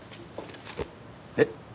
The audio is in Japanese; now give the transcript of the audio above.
えっ？